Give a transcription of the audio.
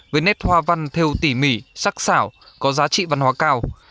với nét hoa văn theo tỉ mỉ sắc xảo có giá trị văn hóa cao